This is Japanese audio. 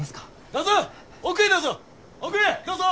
どうぞ！